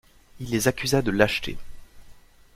Il les accusa de lâcheté.